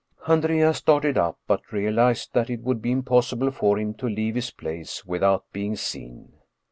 Andrea started up, but realized that it would be impos sible for him to leave his place without being seen.